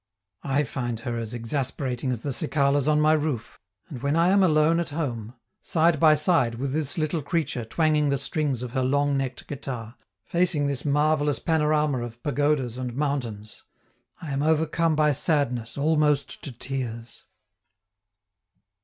I find her as exasperating as the cicalas on my roof; and when I am alone at home, side by side with this little creature twanging the strings of her long necked guitar, facing this marvellous panorama of pagodas and mountains, I am overcome by sadness almost to tears.